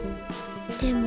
でも。